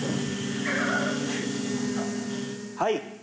はい。